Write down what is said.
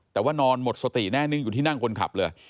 แต่ว่านอนหมดสติแน่นิ่งอยู่ที่นั่งคนขับเลย